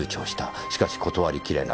しかし断りきれない。